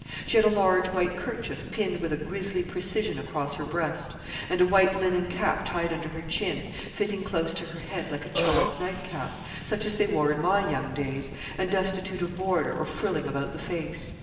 She had a large white kerchief pinned with a grisly precision across her breast, and a white linen cap tied under her chin, fitting close to her head, like a child's nightcap, such as they wore in my young days, and destitute of border or frilling about the face.